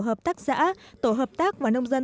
hợp tác xã tổ hợp tác và nông dân